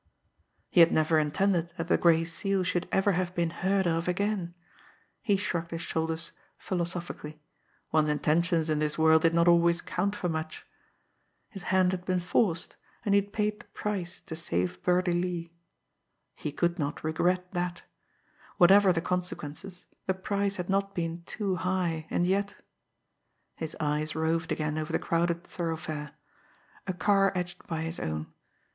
He had never intended that the Gray Seal should ever have been heard of again. He shrugged his shoulders philosophically. One's intentions in this world did not always count for much! His hand had been forced, and he had paid the price to save Birdie Lee. He could not regret that! Whatever the consequences, the price had not been too high, and yet his eyes roved again over the crowded thoroughfare. A car edged by his own.